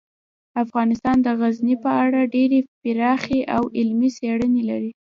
افغانستان د غزني په اړه ډیرې پراخې او علمي څېړنې لري.